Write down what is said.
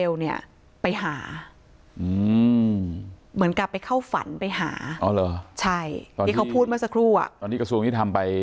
เมื่อกลับไปเผิดเบลไปหา